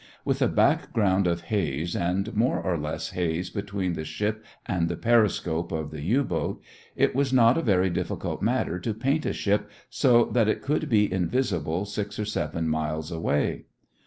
With a background of haze and more or less haze between the ship and the periscope of the U boat, it was not a very difficult matter to paint a ship so that it would be invisible six or seven miles away.